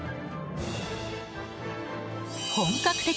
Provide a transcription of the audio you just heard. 本格的！